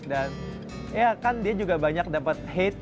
dan ya kan dia juga banyak dapet hate